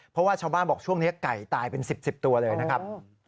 เพราะว่าชาวบ้านบอกช่วงนี้ไก่ตายเป็น๑๐ตัวเลยนะครับ